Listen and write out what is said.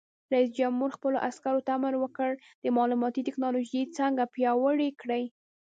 رئیس جمهور خپلو عسکرو ته امر وکړ؛ د معلوماتي تکنالوژۍ څانګه پیاوړې کړئ!